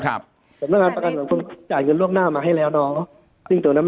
แต่ประกันหวังคมจ่ายเงินล่วงหน้ามาให้แล้วเนาะ